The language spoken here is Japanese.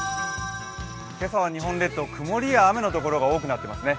今朝は日本列島、曇りや雨の所が多くなっていますね。